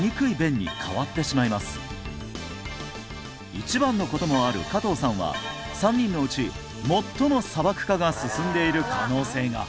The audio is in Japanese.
１番のこともある加藤さんは３人のうち最も砂漠化が進んでいる可能性が！